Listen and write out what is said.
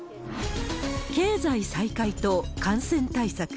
経済再開と感染対策。